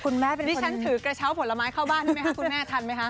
ดิฉันถือกระเช้าผลไม้เข้าบ้านใช่ไหมคะคุณแม่ทันไหมคะ